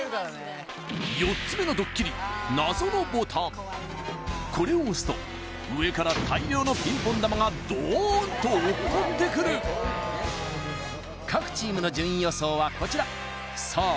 ４つ目のドッキリこれを押すと上からがドーンと落っこってくる各チームの順位予想はこちらさあ